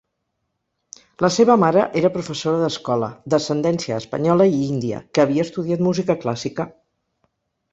La seva mare era professora d'escola, d'ascendència espanyola i índia, que havia estudiat música clàssica.